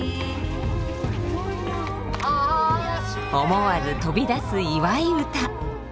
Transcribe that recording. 思わず飛び出す祝い歌。